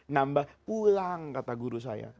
nambah pulang kata guru saya